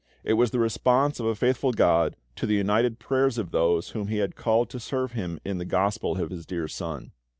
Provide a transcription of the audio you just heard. It was the response of a faithful GOD to the united prayers of those whom He had called to serve Him in the Gospel of His dear SON.